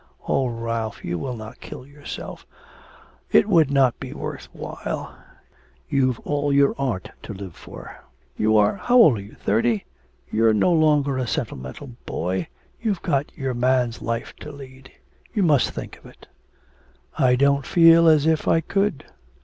'Oh, Ralph, you will not kill yourself. It would not be worth while. You've your art to live for. You are how old are you thirty? You're no longer a sentimental boy. You've got your man's life to lead. You must think of it.' 'I don't feel as if I could.